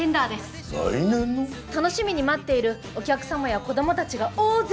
楽しみに待っているお客様や子どもたちが大勢いるはずです。